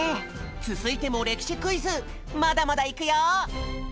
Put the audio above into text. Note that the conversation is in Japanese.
続いても歴史クイズまだまだいくよ！